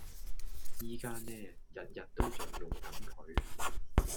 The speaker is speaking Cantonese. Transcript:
依家呢，日日都仲用緊佢！